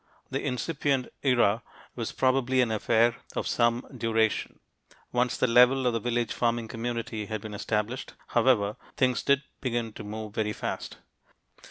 The incipient era was probably an affair of some duration. Once the level of the village farming community had been established, however, things did begin to move very fast.